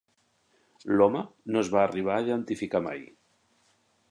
L'home no es va arribar a identificar mai.